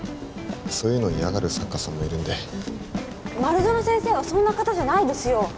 そういうの嫌がる作家さんもいるんで丸園先生はそんな方じゃないですよ